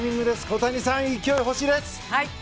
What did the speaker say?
小谷さん、勢いが欲しいです。